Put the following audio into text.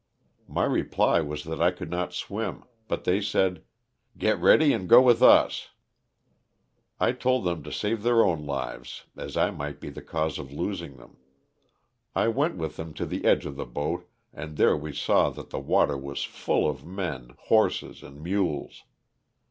My reply was that I could not swim, but they said, ''get ready and go with us." I told them to save their own lives as I might be the cause of losing them. I went with them to the edge of the boat and there we saw that the water was full of men, horses, and mules.